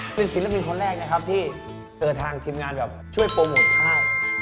เป็นศิลปินคนแรกนะครับที่ทางทีมงานแบบช่วยโปรโมทข้าว